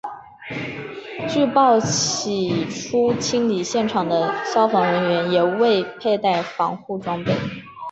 据报起初清理现场的消防人员也未佩戴防护装备。